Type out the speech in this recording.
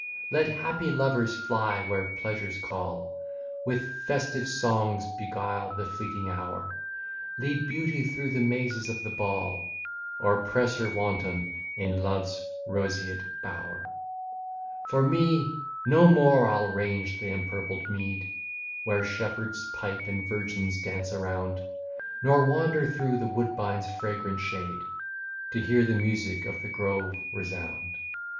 Let happy lovers fly where pleasures call, With festive songs beguile the fleeting hour, Lead beauty through the mazes of the ball, Or press her wanton in love's roseate bower: For me, no more I'll range the empurpled mead, Where shepherd's pipe and virgins dance around, Nor wander through the woodbine's fragrant shade, To hear the music of the grove resound.